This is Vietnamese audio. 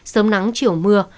sớm nắng chiều mưa